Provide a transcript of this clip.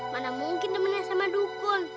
mana mungkin dimenang sama dukun